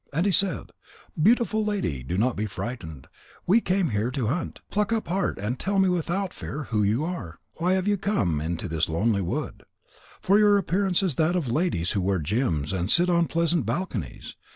And he said: "Beautiful lady, do not be frightened. We came here to hunt. Pluck up heart and tell me without fear who you are. Why have you come into this lonely wood? For your appearance is that of ladies who wear gems and sit on pleasant balconies.